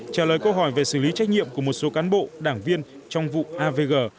trả lời câu hỏi về xử lý trách nhiệm của một số cán bộ đảng viên trong vụ avg